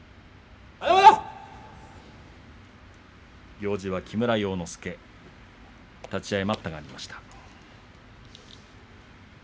行司、木村要之助立ち合い待ったがありました。